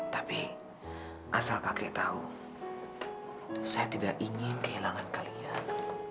tapi asal kakek tahu saya tidak ingin kehilangan kalian